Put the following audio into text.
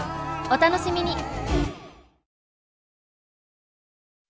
お楽しみに！